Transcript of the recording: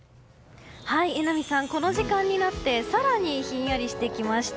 榎並さん、この時間になって更にひんやりしてきました。